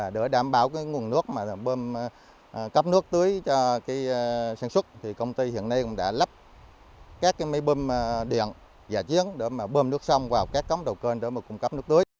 để đảm bảo nguồn nước bơm cấp nước tưới cho sản xuất công ty hiện nay cũng đã lắp